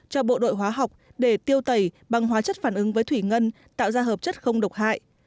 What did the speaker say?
cho bộ đội hóa học để tiêu tẩy bằng hóa chất phản ứng với thủy ngân tạo ra hợp chất không độc hại